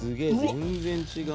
全然違う。